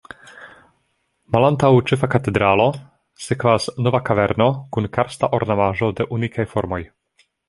Malantaŭ Ĉefa katedralo sekvas Nova kaverno kun karsta ornamaĵo de unikaj formoj.